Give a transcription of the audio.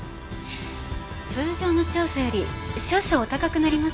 通常の調査より少々お高くなります。